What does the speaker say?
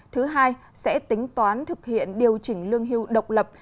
thứ hai sẽ tính toán thực hiện điều chỉnh lương hưu độc lập